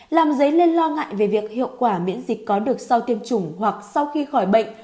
làm dấy lên lo ngại về việc hiệu quả miễn dịch có được sau tiêm chủng hoặc sau khi khỏi bệnh